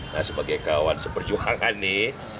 nah sebagai kawan seperjuangan nih